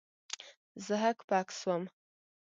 زه هک پک سوم.